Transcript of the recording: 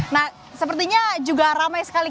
nah sepertinya juga ramai sekali